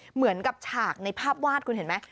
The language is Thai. เหมือนกับฉากในภาพวาดคุณเห็นไหม